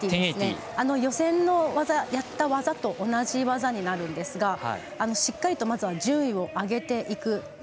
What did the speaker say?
予選でやった技と同じ技になるんですがしっかりとまずは順位を上げていく。